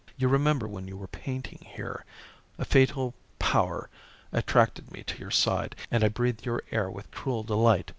You remember when you were painting here: a fatal power attracted me to your side, and I breathed your air with cruel delight.